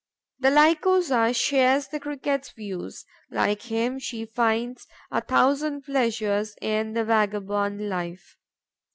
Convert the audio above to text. The Lycosa shares the Cricket's views: like him, she finds a thousand pleasures in the vagabond life.